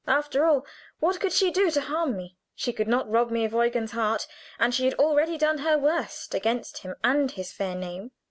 After all, what could she do to harm me? She could not rob me of Eugen's heart, and she had already done her worst against him and his fair name.